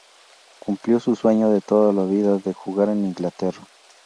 Cumplió su sueño de toda la vida de jugar en Inglaterra.